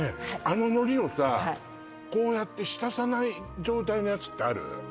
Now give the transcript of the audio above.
あののりをさこうやって浸さない状態のやつってある？